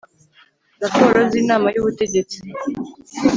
Raporo z’ Inama y’ ubutegetsi